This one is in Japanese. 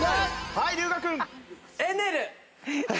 はい龍我君。